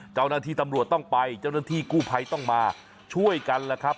เจ้าหน้าที่ตำรวจต้องไปเจ้าหน้าที่กู้ภัยต้องมาช่วยกันแล้วครับ